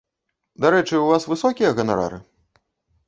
Дарэчы, у вас высокія ганарары?